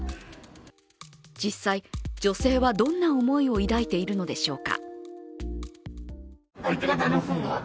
実際、女性はどんな思いを抱いているのでしょうか。